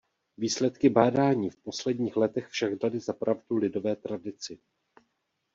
Výsledky bádání v posledních letech však daly za pravdu lidové tradici.